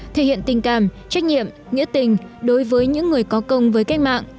thể hiện tình cảm trách nhiệm nghĩa tình đối với những người có công với cách mạng